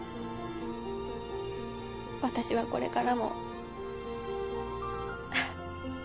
私はこれからも。